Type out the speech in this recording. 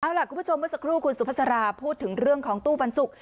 เอาล่ะคุณผู้ชมเมื่อสักครู่คุณสุภาษาราพูดถึงเรื่องของตู้ปันสุก